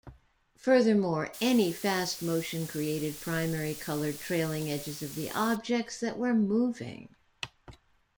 Furthermore, any fast motion created primary-colored trailing edges of the objects that were moving.